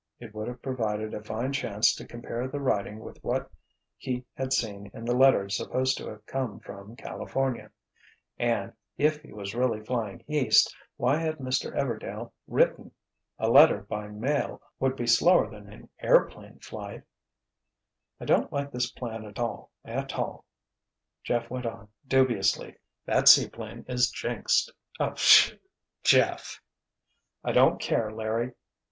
It would have provided a fine chance to compare the writing with what he had seen in the letter supposed to have come from California. And—if he was really flying East, why had Mr. Everdail written? A letter, by mail, would be slower than an airplane flight! "I don't like this plan a tall, a tall," Jeff went on, dubiously. "That seaplane is jinxed." "Oh—pshaw, Jeff——" "I don't care, Larry.